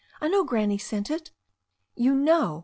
I know Granny sent it." "You know